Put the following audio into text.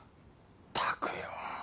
ったくよ。